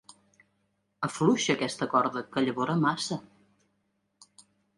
Afluixa aquesta corda, que llavora massa.